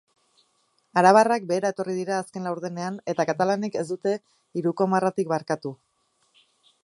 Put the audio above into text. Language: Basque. Arabarrak behera etorri dira azken laurdenean eta katalanek ez dute hiruko marratik barkatu.